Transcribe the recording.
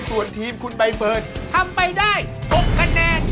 ส่วนทีมคุณใบเฟิร์นทำไปได้๖คะแนน